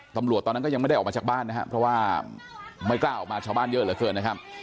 ตอนนั้นก็ยังไม่ได้ออกมาจากบ้านนะครับเพราะว่าไม่กล้าออกมาชาวบ้านเยอะเหลือเกินนะครับ